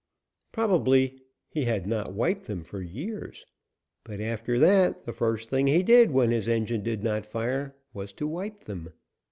Probably he had not wiped them for years. But after that the first thing he did when his engine did not fire was to wipe them.